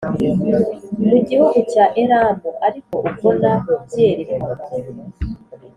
mu gihugu cya Elamu ariko ubwo nabyerekwaga